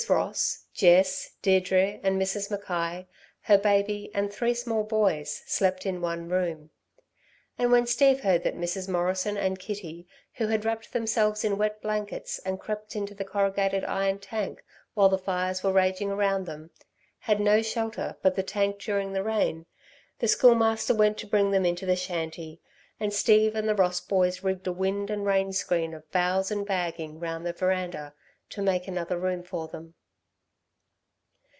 Ross, Jess, Deirdre, and Mrs. Mackay, her baby, and three small boys, slept in one room. And when Steve heard that Mrs. Morrison and Kitty, who had wrapped themselves in wet blankets and crept into a corrugated iron tank while the fires were raging around them, had no shelter but the tank during the rain, the Schoolmaster went to bring them into the shanty, and Steve and the Ross boys rigged a wind and rain screen of boughs and bagging round the verandah to make another room for them.